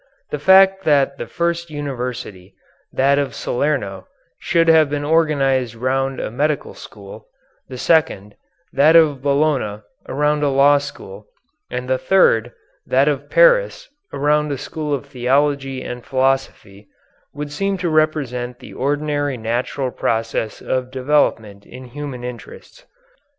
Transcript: The fact that the first university, that of Salerno, should have been organized round a medical school, the second, that of Bologna, around a law school, and the third, that of Paris, around a school of theology and philosophy, would seem to represent the ordinary natural process of development in human interests.